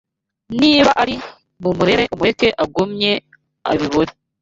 Niba ari mu murere Umureke agumye aribore